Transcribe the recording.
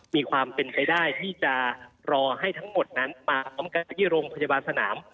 มีความเป็นไปได้ที่จะรอให้ทั้งหมดนั้นมาพร้อมกันที่โรงพยาบาลสนาม